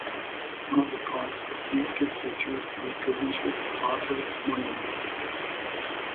One of the park's distinctive features is the Prison Ship Martyrs' Monument.